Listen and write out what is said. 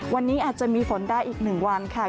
วันนี้อาจจะมีฝนได้อีก๑วันค่ะ